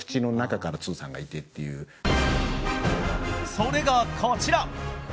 それが、こちら。